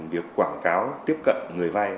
việc quảng cáo tiếp cận người vay